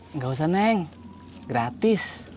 enggak usah neng gratis